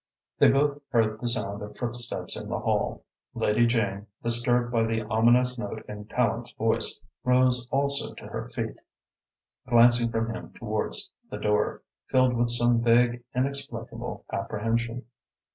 They both heard the sound of footsteps in the hall. Lady Jane, disturbed by the ominous note in Tallente's voice, rose also to her feet, glancing from him towards the door, filled with some vague, inexplicable apprehension.